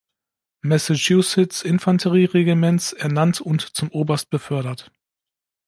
Massachusetts-Infanterie-Regiments ernannt und zum Oberst befördert.